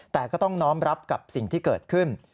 แต่ก็ต้องน้อมรับกับสิ่งที่เกิดขึ้น